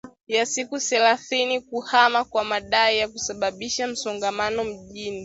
ya siku thelathini kuhama kwa madai ya kusababisha msongamano mjini